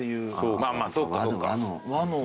まぁまぁそうかそうか。